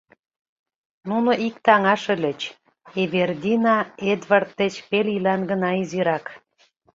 Нуно иктаҥаш ыльыч, Эвердина Эдвард деч пел ийлан гына изирак.